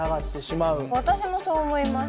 私もそう思います。